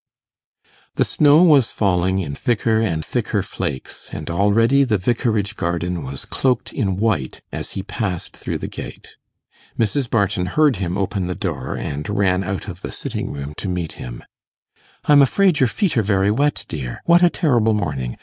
The snow was falling in thicker and thicker flakes, and already the vicarage garden was cloaked in white as he passed through the gate. Mrs. Barton heard him open the door, and ran out of the sitting room to meet him. 'I'm afraid your feet are very wet, dear. What a terrible morning!